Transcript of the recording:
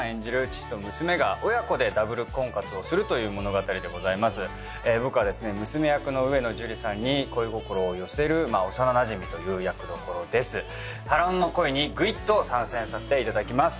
父と娘が親子でダブル婚活をするという物語でございます僕はですね娘役の上野樹里さんに恋心を寄せる幼なじみという役どころです波乱の恋にぐいっと参戦させていただきます